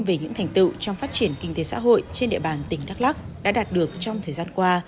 về những thành tựu trong phát triển kinh tế xã hội trên địa bàn tỉnh đắk lắc đã đạt được trong thời gian qua